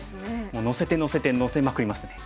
もうのせてのせてのせまくりますね。